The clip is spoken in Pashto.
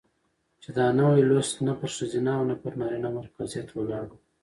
چې دا نوى لوست نه پر ښځينه او نه پر نرينه مرکزيت ولاړ و،